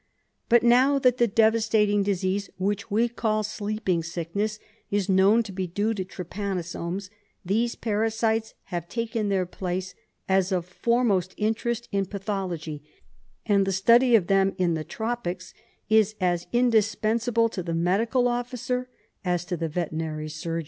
But now that the devastating disease which we call sleeping sickness is known to be due to trypanosomes, these parasites have taken their place as of foremost interest in pathology, and the study of them in the tropics is as indisi>ensable to the medical officer as to the veterinary surgeon.